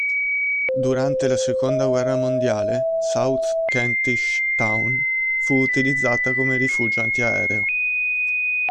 Durante la Seconda Guerra Mondiale South Kentish Town fu utilizzata come rifugio antiaereo.